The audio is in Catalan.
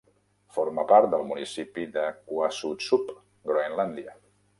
Forma part del municipi de Qaasuitsup, Groenlàndia.